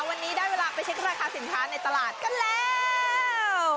วันนี้ได้เวลาไปเช็คราคาสินค้าในตลาดกันแล้ว